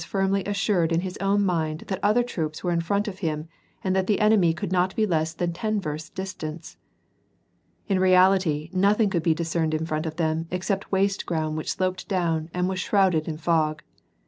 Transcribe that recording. firmly assured in his own mind that other troops were in front of him and that the enemy could not be less than ten versts dis tant. In reality, nothing could be discerned in front of them except waste ground which sloped down, and was shrouded in fog.